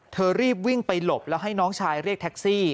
รีบวิ่งไปหลบแล้วให้น้องชายเรียกแท็กซี่